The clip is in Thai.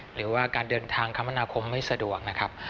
หรือว่าการเดินทางคมนาคมไม่สะดวกนะครับ